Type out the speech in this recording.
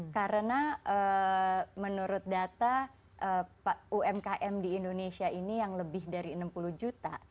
karena menurut data umkm di indonesia ini yang lebih dari enam puluh juta